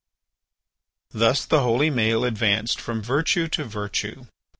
Thus the holy Maël advanced from virtue to virtue.